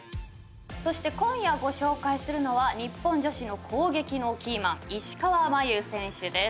そして今夜ご紹介するのは日本女子の攻撃のキーマン石川真佑選手です。